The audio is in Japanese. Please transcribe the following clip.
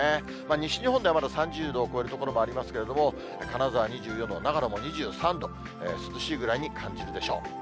西日本ではまだ３０度を超える所もありますけれども、金沢２４度、長野も２３度、涼しいぐらいに感じるでしょう。